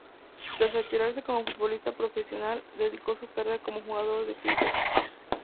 Tras retirarse como futbolista profesional dedicó su carrera como jugador de cricket.